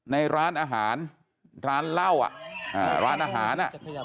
ในร้านอาหารร้านเหล้าอ่ะร้านอาหาร